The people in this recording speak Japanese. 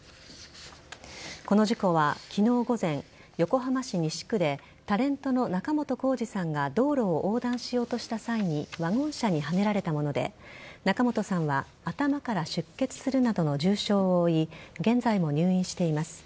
この事故は昨日午前横浜市西区でタレントの仲本工事さんが道路を横断しようとした際にワゴン車にはねられたもので仲本さんは頭から出血するなどの重傷を負い現在も入院しています。